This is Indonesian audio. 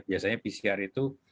biasanya pcr itu